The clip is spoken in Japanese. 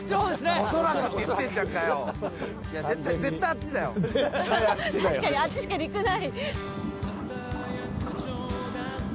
確かにあっちしか陸ない。